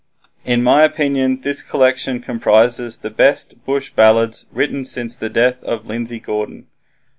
In my opinion this collection comprises the best bush ballads written since the death of Lindsay Gordon.